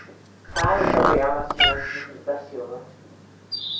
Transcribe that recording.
Carlos Gabriel Nascimento da Silva